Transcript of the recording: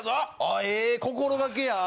ええ心がけやん。